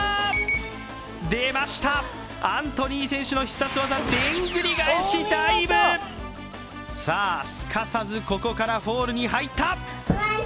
出ました、アントニー選手の必殺技でんぐり返しダイブさあ、すかさずここからフォールに入った。